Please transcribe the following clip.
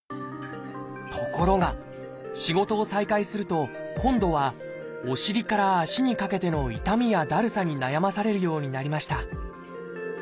ところが仕事を再開すると今度はお尻から脚にかけての痛みやだるさに悩まされるようになりました